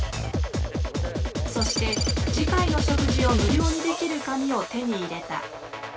そして次回の食事を無料にできる紙を手に入れた。